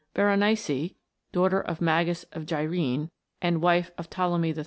Berenice, daughter of Magas of Gyrene, and wife of Ptolemy III.